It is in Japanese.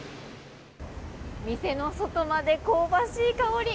店の外まで香ばしい香り！